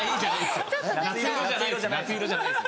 『夏色』じゃないです